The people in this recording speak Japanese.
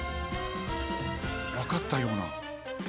わかったような。